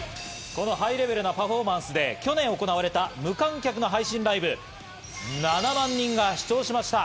このハイレベルなパフォーマンスで去年行われた無観客の配信ライブ、７万人が視聴しました。